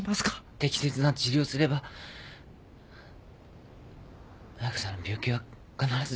適切な治療をすれば彩佳さんの病気は必ずよくなります。